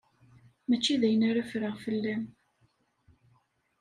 Mačči d ayen ara ffreɣ fell-am.